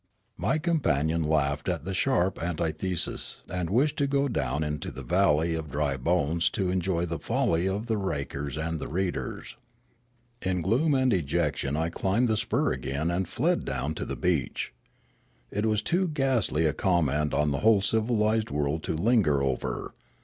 My companion laughed at the sharp antithesis, and wished to go down into the valley of drj^ bones to en joy the folly of the rakers and the readers. In gloom and dejection I climbed the spur again and fled down to the beach. It was too ghastly a comment on the whole civilised world to linger over.